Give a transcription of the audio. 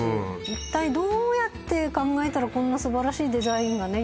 一体どうやって考えたらこんな素晴らしいデザインがね